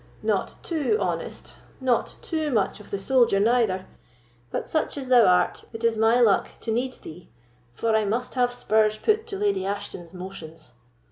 "Not too honest, not too much of the soldier neither; but such as thou art, it is my luck to need thee, for I must have spurs put to Lady Ashton's motions."